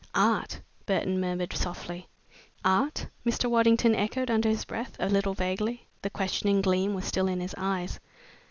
"Art," Burton murmured softly. "Art?" Mr. Waddington echoed under his breath, a little vaguely. The questioning gleam was still in his eyes.